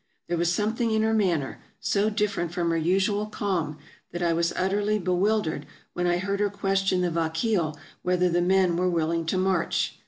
There was something in her manner, so different from her usual calm, that I was utterly bewil dered when I heard her question the vakeel whether the men were willing to march.